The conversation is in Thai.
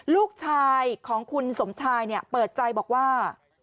ลูกชายของคุณสมชายเปิดใจบอกว่า